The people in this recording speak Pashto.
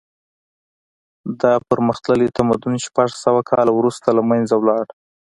دا پرمختللی تمدن شپږ سوه کاله وروسته له منځه لاړ.